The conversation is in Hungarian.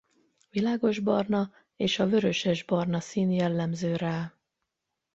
Világosbarna és a vörösesbarna szín jellemző rá.